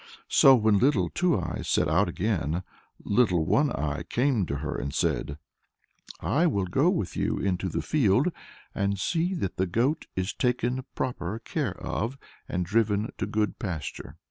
So when Little Two Eyes set out again, Little One Eye came to her and said, "I will go with you into the field, and see that the goat is taken proper care of, and driven to good pasture."